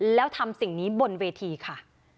แล้วทำสิ่งนี้บนเวทีค่ะ